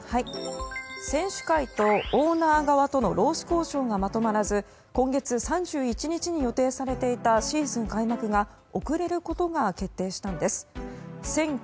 選手会とオーナー側との労使交渉がまとまらず今月３１日に予定されていたシーズン開幕が遅れることが決定しました。